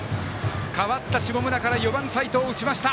代わった下村から、４番、齋藤打ちました。